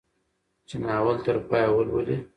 چې ناول تر پايه ولولي.